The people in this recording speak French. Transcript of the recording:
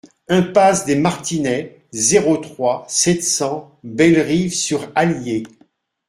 Impasse des Martinets, zéro trois, sept cents Bellerive-sur-Allier